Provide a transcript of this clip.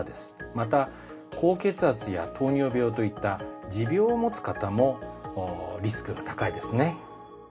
また高血圧や糖尿病といった持病を持つ方もリスクが高いですね。